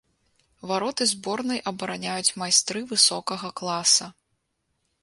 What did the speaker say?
Вароты зборнай абараняюць майстры высокага класа.